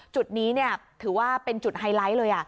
จุดนี้ถือว่าเป็นจุดไฮไลท์เลย